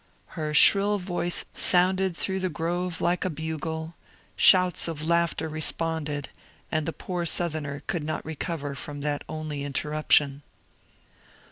Her shrill voice sounded through the grove like a bugle ; shouts of laughter responded, and die poor Southerner could not recover from that only interruption.